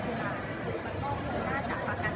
พี่แม่ที่เว้นได้รับความรู้สึกมากกว่า